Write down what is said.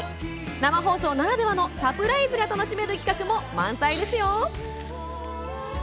生放送ならではのサプライズが楽しめる企画も満載ですよ。